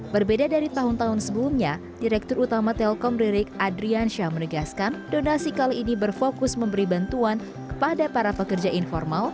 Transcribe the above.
berbeda dari tahun tahun sebelumnya direktur utama telkom ririk adriansyah menegaskan donasi kali ini berfokus memberi bantuan kepada para pekerja informal